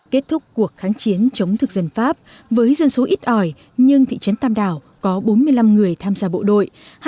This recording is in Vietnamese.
kết thúc cuộc kháng chiến chống thực dân pháp với dân số ít ỏi nhưng thị trấn tam đảo có bốn mươi năm người tham gia bộ đội